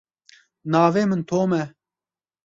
Navê min Tom e.